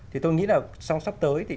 thì tôi nghĩ là sắp tới